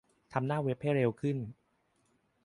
ทำหน้าเว็บให้เร็วขึ้น